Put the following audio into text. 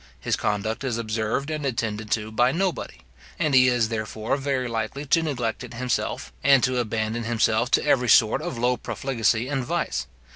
His conduct is observed and attended to by nobody; and he is, therefore, very likely to neglect it himself, and to abandon himself to every sort of low profligacy and vice.